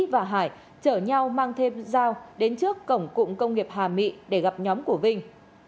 và hải chở nhau mang thêm dao đến trước cổng cụm công nghiệp hà mị để gặp nhóm của vinh